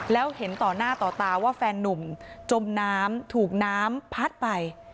แล้วเห็นต่อหน้าต่อตาว่าแฟนนุ่มจมน้ำถูกน้ำพัดไป